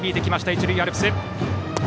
一塁アルプス。